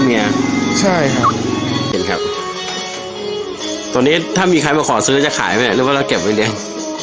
นี่ครับตัวนี้ถ้ามีใครมาขอซื้อจะขายไหมหรือว่าเราเก็บไปเลี้ยง